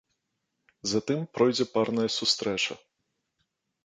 Затым пройдзе парная сустрэча.